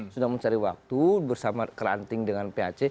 sudah mencari waktu bersama keranting dengan pac